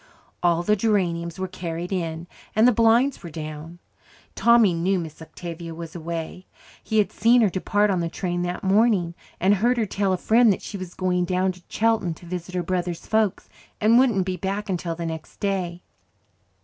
All the geraniums were carried in, and the blinds were down. Tommy knew Miss Octavia was away. He had seen her depart on the train that morning, and heard her tell a friend that she was going down to Chelton to visit her brother's folks and wouldn't be back until the next day.